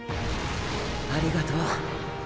ありがとう！